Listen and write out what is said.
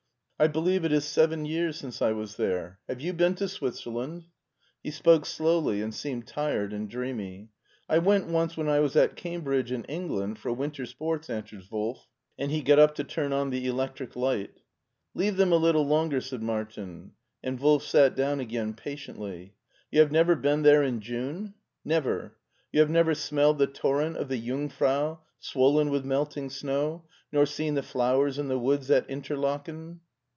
I believe it is seven jrears since I was there. Have you been to Switzerland?" He spoke slowly, and seemed tired and dreamy. " I went once when I was at Cambridge in England, for winter sports," answered Wolf, and he got up to turn on the electric light. ^' Leave them a little longer," said Martin; and Wolf sat down again patiently. '" You have never been there in June ?" "Never." You have never smelled the torrfent of the Jungf rau swollen with melting snow, nor seen the flowers in the woods at Interlaken?"